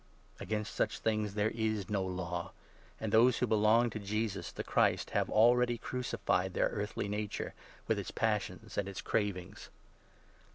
Against such things there is no law ! 23 And those who belong to Jesus, the Christ, have already 24 crucified their earthly nature, with its passions and its cravings.